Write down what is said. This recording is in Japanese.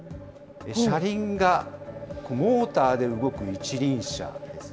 車輪がモーターで動く一輪車です。